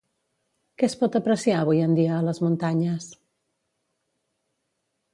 Què es pot apreciar avui en dia a les muntanyes?